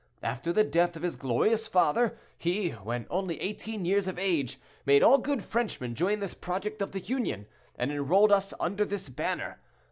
After the death of his glorious father, he, when only eighteen years of age, made all good Frenchmen join this project of the Union, and enrolled us under this banner.